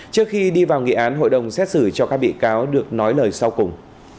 trước khi đi vào nghị án hội đồng xét xử cho các bị cáo được nói lời sau cùng